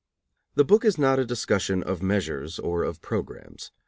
The book is not a discussion of measures or of programs.